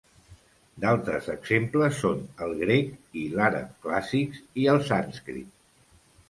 D'altres exemples són el grec i l'àrab clàssics i el sànscrit.